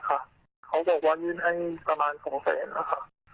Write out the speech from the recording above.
เขาบอกว่ายื่นให้สำหรับ๒๐๐๐๐๐๐บาท